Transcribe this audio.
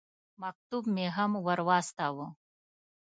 مکتوب مې هم ور واستاوه.